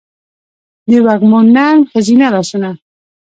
دوږمو نرم ښځینه لا سونه